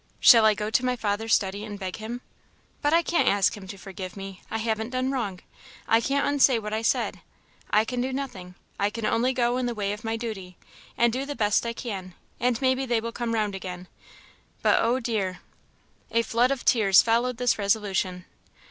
Shall I go to my father's study and beg him but I can't ask him to forgive me I haven't done wrong I can't unsay what I said. I can do nothing. I can only go in the way of my duty, and do the best I can, and maybe they will come round again. But, oh dear!" A flood of tears followed this resolution.